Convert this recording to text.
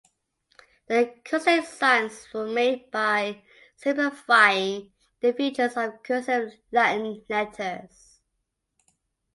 The consonant signs were made by simplifying the features of cursive Latin letters.